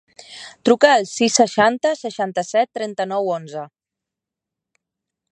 Truca al sis, seixanta, seixanta-set, trenta-nou, onze.